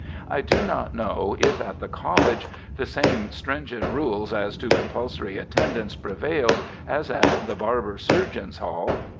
I do not know if at the College the same stringent rules as to compulsory attendance prevailed as at the Barber Surgeons' Hall.